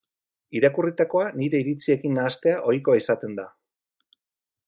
Irakurritakoa nire iritziekin nahastea ohikoa izaten da.